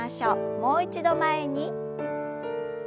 もう一度前に。